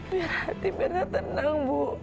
biar hati mirna tenang bu